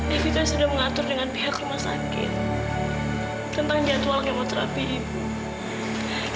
evita sudah mengatur dengan pihak rumah sakit tentang jadwal kemoterapi ibu